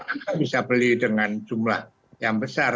anda bisa beli dengan jumlah yang besar